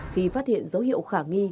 khi phát hiện dấu hiệu khả nghi